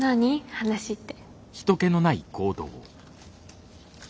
話って。